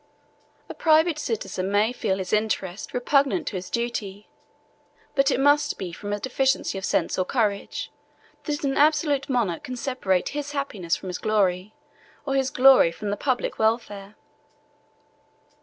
A private citizen may feel his interest repugnant to his duty; but it must be from a deficiency of sense or courage, that an absolute monarch can separate his happiness from his glory, or his glory from the public welfare.